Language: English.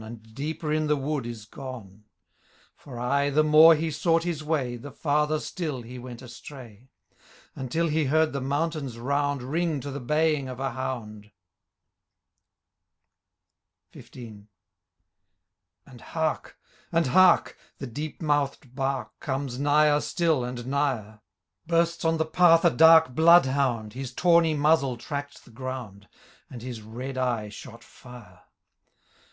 And deeper in the wood is gone, — For aye the more he sought his way, The forther still he went astray, — Until he heard the mountains round Ring to the baying of a hound. 1 See Appenlix. NoU 2 P. Digitized by VjOOQIC 70 THK LAY OK Conio Ith XV. And hark ! and hark ! the deep mouth*d bark. Comes nigher still, and nigher : Bursts on the path a dark blood hound. His tawny muzzle tracked the ground. And his red eye shot fire.